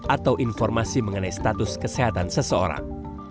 atau informasi mengenai status kesehatan seseorang